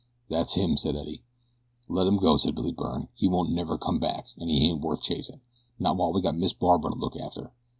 "That's him," said Eddie. "Let him go," said Billy Byrne. "He won't never come back and he ain't worth chasin'. Not while we got Miss Barbara to look after.